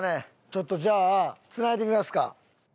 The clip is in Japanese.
ちょっとじゃあ繋いでみますか。